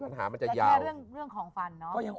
แต่ก็ยังไม่เคยว่ากระดุ่งส่วนอื่นแก้ฟัน